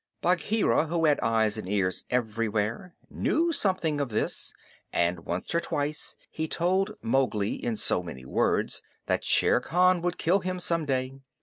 Bagheera, who had eyes and ears everywhere, knew something of this, and once or twice he told Mowgli in so many words that Shere Khan would kill him some day.